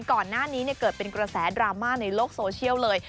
ก่อนหน้านี้เกิดเป็นกระแสดราม่าในโลกโซเชียลเลย